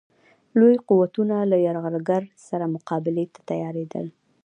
لوی قوتونه له یرغلګر سره مقابلې ته تیارېدل.